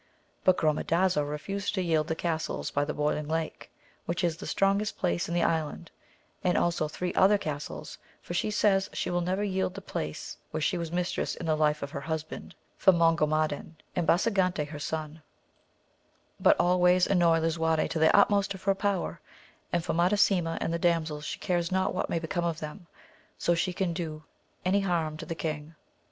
But Gromadaza refused to yield the castles by the Boiling Lake, which is the strongest place in the island, and also three other strong castles, for she says she will never yield the place where she was mistress in the life of her husband Famongomadan, and Basagante her son, but 126 AMADIS OF GAUL. always annoy Lisuarte to the utmost of her power, and for Madasima and the damsels she cares not what may become of them so she can do any harm to the king.